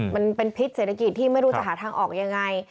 มันเป็นพิษเศรษฐกิจที่ไม่รู้จะหาทางออกยังไง